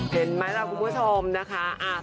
เห็นไหมครับคุณผู้ชม